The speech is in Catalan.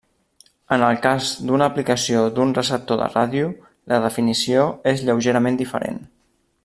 En el cas d'una aplicació d'un receptor de ràdio, la definició és lleugerament diferent.